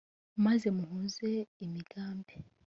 maze muhuze imigambi